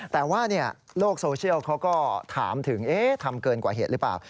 แต่ว่าโลกโซเชียลเขาก็ถามถึงทำเกินกว่าเหตุหรือเปล่า